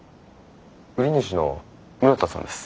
売り主の室田さんです。